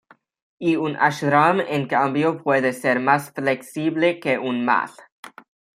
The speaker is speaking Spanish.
Y un Ashram en cambio puede ser más flexible que un Math.